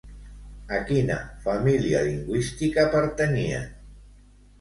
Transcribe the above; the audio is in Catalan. A quina família lingüística pertanyien?